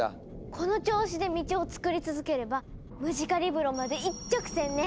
この調子で道を作り続ければムジカリブロまで一直線ね。